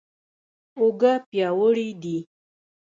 اوږه پیاوړې دي.